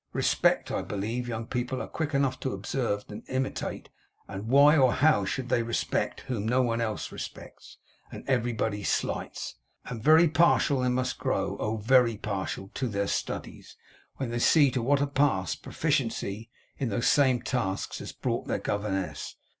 Respect! I believe young people are quick enough to observe and imitate; and why or how should they respect whom no one else respects, and everybody slights? And very partial they must grow oh, very partial! to their studies, when they see to what a pass proficiency in those same tasks has brought their governess!